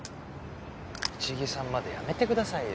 市毛さんまでやめてくださいよ。